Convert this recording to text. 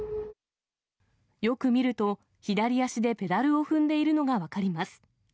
よく見ると、左足でペダルを踏んでいるのが分かります。